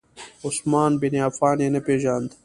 عثمان بن عفان یې نه پیژاند.